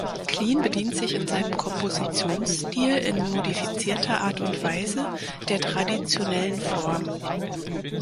Klien bedient sich in seinem Kompositionsstil in modifizierter Art und Weise der traditionellen Form.